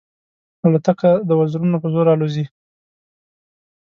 الوتکه د وزرونو په زور الوزي.